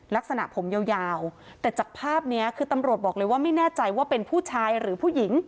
ลักษณะผมยาวแต่จากภาพนี้คือตำรวจบอกเลยว่าไม่แน่ใจว่าเป็นผู้ชายหรือผู้หญิง